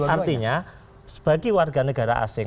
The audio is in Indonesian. artinya sebagai warga negara asing